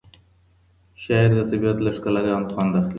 شاعر د طبیعت له ښکلاګانو خوند اخلي.